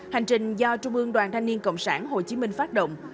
hành trình do trung ương đoàn thanh niên cộng sản hồ chí minh phát động